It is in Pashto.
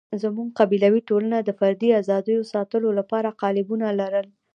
زموږ قبیلوي ټولنه د فردي آزادیو ساتلو لپاره قالبونه لرل.